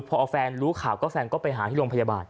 พอแฟนรู้ข่าวก็แฟนก็ไปหาที่โรงพยาบาล